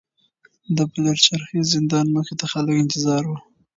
د پلچرخي زندان مخې ته خلک انتظار وو.